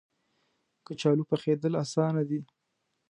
کچالو پخېدل اسانه دي